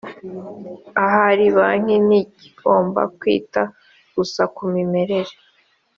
ahari banki ntikigomba kwita gusa ku mimerere